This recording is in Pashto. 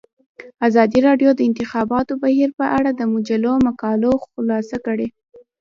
ازادي راډیو د د انتخاباتو بهیر په اړه د مجلو مقالو خلاصه کړې.